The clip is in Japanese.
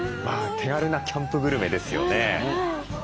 手軽なキャンプグルメですよね。